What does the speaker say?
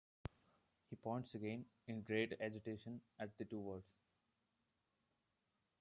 He points again, in great agitation, at the two words.